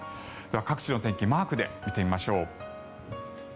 各地の天気マークで見てみましょう。